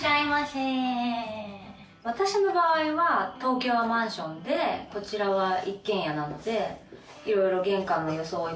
私の場合は東京はマンションでこちらは一軒家なのでいろいろ。